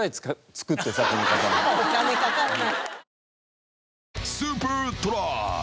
お金かかるな。